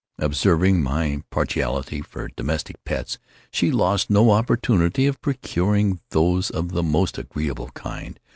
Observing my partiality for domestic pets, she lost no opportunity of procuring those of the most agreeable kind.